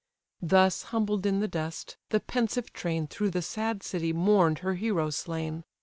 Thus humbled in the dust, the pensive train Through the sad city mourn'd her hero slain.